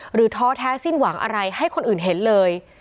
ท้อแท้สิ้นหวังอะไรให้คนอื่นเห็นเลย